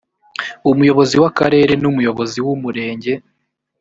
umuyobozi w akarere n umuyobozi w umurenge